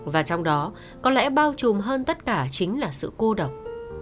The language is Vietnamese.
và trong đó có lẽ bao trùm hơn tất cả chính là sự cô độc